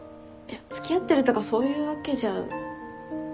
付き合ってるとかそういうわけじゃ。